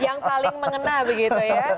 yang paling mengena begitu ya